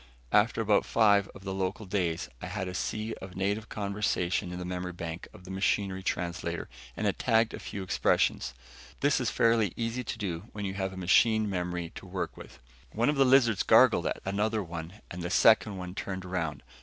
After about five of the local days, I had a sea of native conversation in the memory bank of the machine translator and had tagged a few expressions. This is fairly easy to do when you have a machine memory to work with. One of the lizards gargled at another one and the second one turned around.